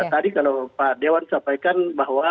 tadi kalau pak dewan sampaikan bahwa